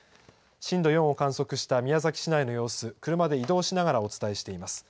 震度４を観測した宮崎市内の様子、車で移動しながらお伝えしています。